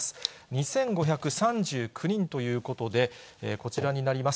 ２５３９人ということで、こちらになります。